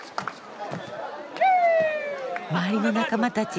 周りの仲間たち